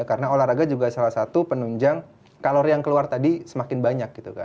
karena olahraga juga salah satu penunjang kalori yang keluar tadi semakin banyak gitu kan